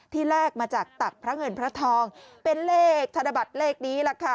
แลกมาจากตักพระเงินพระทองเป็นเลขธนบัตรเลขนี้ล่ะค่ะ